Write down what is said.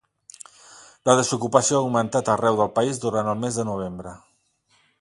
La desocupació ha augmentat arreu del país durant el mes de novembre.